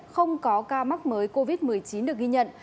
không có ca mắc mới covid một mươi chín được ghi nhận